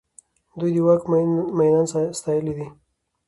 دوی د واک مينان ستايلي دي.